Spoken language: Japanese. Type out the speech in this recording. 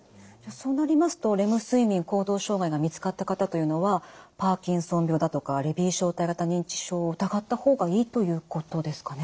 そうなりますとレム睡眠行動障害が見つかった方というのはパーキンソン病だとかレビー小体型認知症を疑った方がいいということですかね？